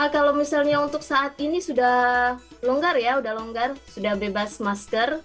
kalau misalnya untuk saat ini sudah longgar ya sudah longgar sudah bebas masker